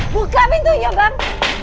buka pintunya bang